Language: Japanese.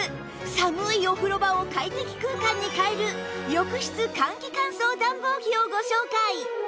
寒いお風呂場を快適空間に変える浴室換気乾燥暖房機をご紹介